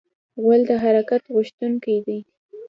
غول د حرکت غوښتونکی دی.